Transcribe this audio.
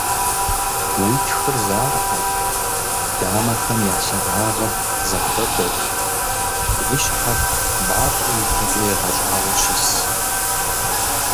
Уи тхыр захуэу, уи дамэхэм я лъагагъыр зэхуэдэу, уи щхьэр мащӀэу ипэкӀэ егъэщӀауэ щыс.